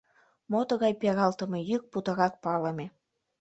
Мо тыгай, пералтыме йӱк путырак палыме.